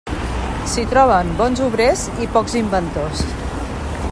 S'hi troben bons obrers i pocs inventors.